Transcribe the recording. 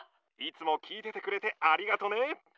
「いつも聞いててくれてありがとね」。